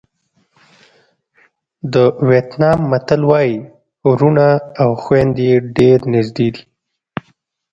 د وېتنام متل وایي وروڼه او خویندې ډېر نږدې دي.